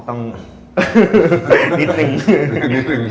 อ่อต้องอีกนิดหนึ่ง